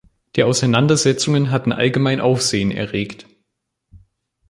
Die Auseinandersetzungen hatten allgemein Aufsehen erregt.